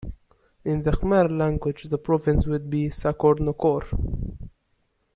In the Khmer language the province would be "Sakor Nokor".